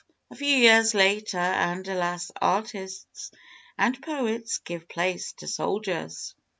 A few years later, and, alas, artists and poets give place to soldiers!